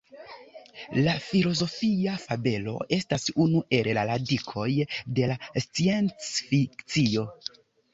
La filozofia fabelo estas unu el la "radikoj" de la sciencfikcio.